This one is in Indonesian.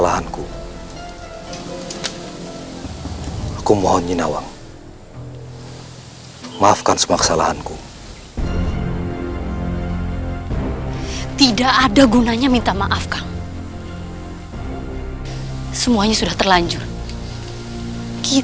hatiku sudah mati